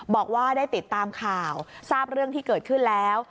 บอกว่าได้ติดตามข่าวทราบเรื่องที่เกิดขึ้นแล้ว